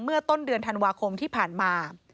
เมื่อต้นเดือนธันวาคมที่ผ่านมา